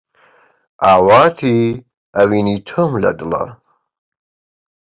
ئاواتی ئەوینی تۆم لە دڵە